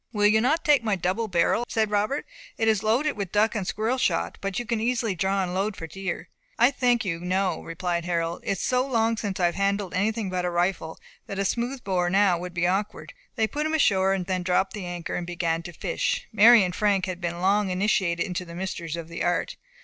"Will you not take my double barrel?" said Robert. "It is loaded with duck and squirrel shot, but you can easily draw and load for deer." "I thank you, no," replied Harold. "It is so long since I have handled anything but a rifle, that a smooth bore now would be awkward." They put him ashore, then dropped anchor, and began to fish. Mary and Frank had been long initiated into the mysteries of the art.